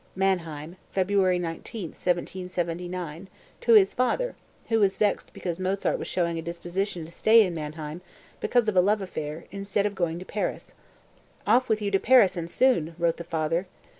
(Mannheim, February 19, 1779, to his father, who was vexed because Mozart was showing a disposition to stay in Mannheim, because of a love affair, instead of going to Paris. "Off with you to Paris, and soon!" wrote the father.